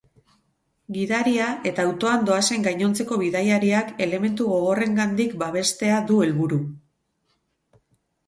Gidaria eta autoan doazen gainontzeko bidaiariak elementu gogorrengandik babestea du helburu.